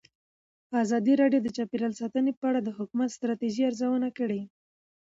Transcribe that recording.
ازادي راډیو د چاپیریال ساتنه په اړه د حکومتي ستراتیژۍ ارزونه کړې.